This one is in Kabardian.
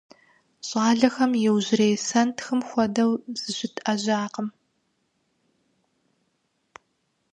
ЩIалэхэм иужьрей сэнтхым куэдрэ зыщытIэжьакъым.